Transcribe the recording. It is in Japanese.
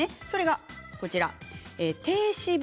それがこちらです。